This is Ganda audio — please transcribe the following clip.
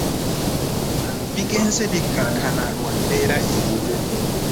Bigenze bikkakkana lwa mbeera eriwo.